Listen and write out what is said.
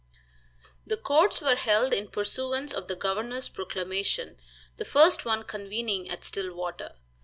The courts were held in pursuance of the governor's proclamation, the first one convening at Stillwater.